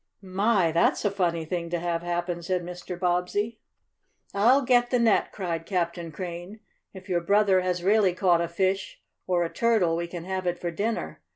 "My! that's a funny thing to have happen!" said Mr. Bobbsey. "I'll get the net!" cried Captain Crane. "If your brother has really caught a fish or a turtle we can have it for dinner.